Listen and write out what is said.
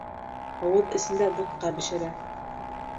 Ауыҙ эсендә бутҡа бешерә.